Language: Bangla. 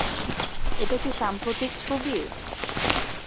এটা কি সাম্প্রতিক ছবি?